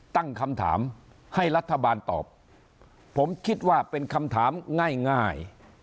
ตั้งคำถามให้รัฐบาลตอบผมคิดว่าเป็นคำถามง่าย